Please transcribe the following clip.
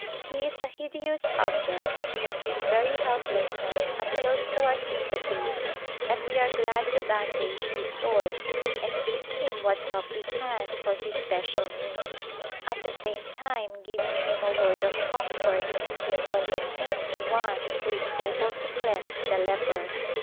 He is a hideous ob ject but his very helplessness appeals to our sympathies and we are glad to bandage his sores and give him what help we can for his special need, at the same time giving him a word of comfort and pointing him to One who is able to cleanse the leper.